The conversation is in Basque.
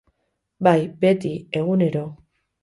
Bai, beti, egunero.